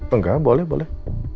enggak boleh boleh